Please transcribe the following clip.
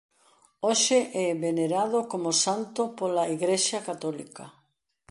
Hoxe é venerado como santo pola Igrexa Católica.